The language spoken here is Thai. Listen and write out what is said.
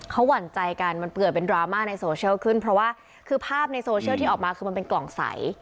เขาหวั่นใจกันมันเผื่อเป็นดราม่าในโซเชียลขึ้นเพราะว่าคือภาพในโซเชียลที่ออกมาคือมันเป็นกล่องใส